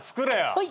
はい。